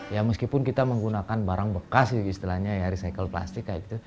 ya meskipun kita menggunakan barang bekas sih istilahnya ya recycle plastik kayak gitu